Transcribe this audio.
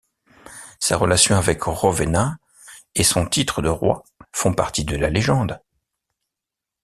Sa relation avec Rowena et son titre de roi font partie de la légende.